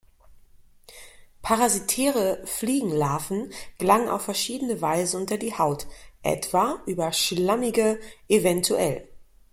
Parasitäre Fliegenlarven gelangen auf verschiedene Weise unter die Haut: Etwa über schlammige, evtl.